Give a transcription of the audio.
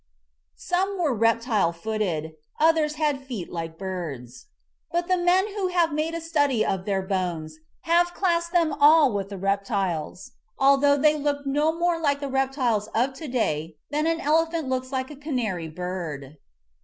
Some were reptile footed ; others had feet like birds. But the men who have made a study of their bones have classed them all with the reptiles although they looked no more like the reptiles of to day than an elephant looks like a canary bird.